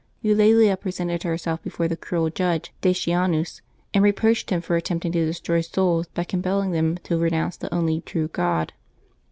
Eulalia presented herself before the cruel judge Dacianus, and reproached him for attempt ing to destroy souls by compelling them to renounce the only true God.